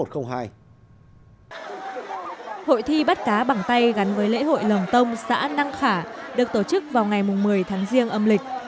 hội thi bắt cá bằng tay gắn với lễ hội lồng tông xã năng khả được tổ chức vào ngày một mươi tháng riêng âm lịch